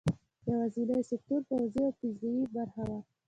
یوازینی سکتور پوځي او فضايي برخه وه.